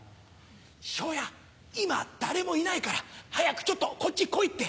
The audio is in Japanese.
昇也今誰もいないから早くちょっとこっち来いって。